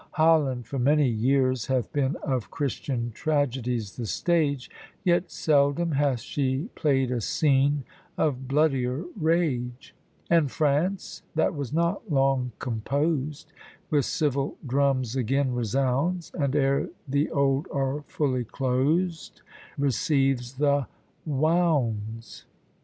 Holland for many years hath been Of Christian tragedies the stage, Yet seldom hath she played a scene Of bloodier rage: And France, that was not long compos'd, With civil drums again resounds, And ere the old are fully clos'd, Receives new wounds.